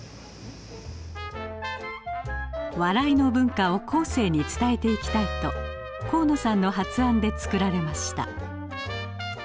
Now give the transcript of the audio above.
笑いの文化を後世に伝えていきたいと河野さんの発案で作られました。